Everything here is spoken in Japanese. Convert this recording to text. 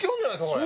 これ。